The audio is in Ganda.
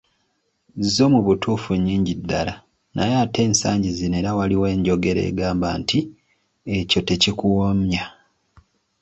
Zo mu butuufu nnyingi ddala, naye ate ensangi zino era waliwo enjogera egamba nti, "ekyo tekikuwonya."